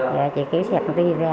rồi chị kéo xe tăng tiền ra